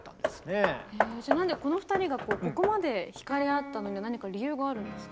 この２人がここまで惹かれ合ったのには何か理由があるんですか？